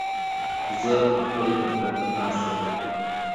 زه په خپل دفتر کې ناست یم.